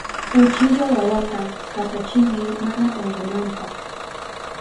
Uchilla wawata katachinki mana unkunanpa.